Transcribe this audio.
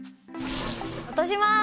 落とします！